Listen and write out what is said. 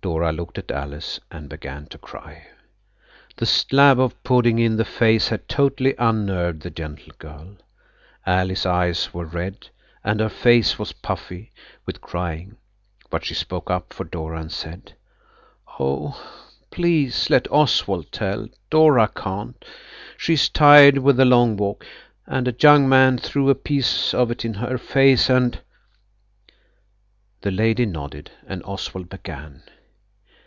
Dora looked at Alice and began to cry. That slab of pudding in the face had totally unnerved the gentle girl. Alice's eyes were red, and her face was puffy with crying; but she spoke up for Dora and said– "Oh, please let Oswald tell. Dora can't. She's tired with the long walk. And a young man threw a piece of it in her face, and–" The lady nodded and Oswald began.